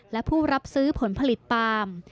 และผู้รับซื้อผลผลิตปาล์ม